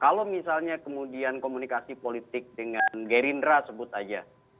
kalau misalnya kemudian komunikasi politik dengan gerindra sebut aja